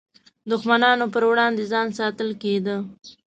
دښمنانو پر وړاندې ځان ساتل کېده.